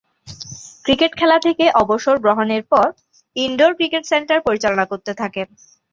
Cricket খেলা থেকে অবসর গ্রহণের পর ইনডোর ক্রিকেট সেন্টার পরিচালনা করতে থাকেন।